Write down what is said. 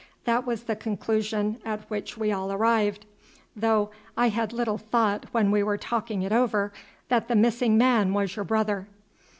That was the conclusion at which we all arrived, though I had little thought when we were talking it over that the missing man was your brother."